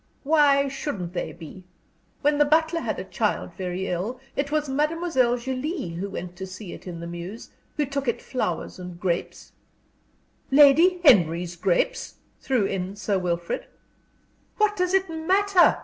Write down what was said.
"Why shouldn't they be? When the butler had a child very ill, it was Mademoiselle Julie who went to see it in the mews, who took it flowers and grapes " "Lady Henry's grapes?" threw in Sir Wilfrid. "What does it matter!"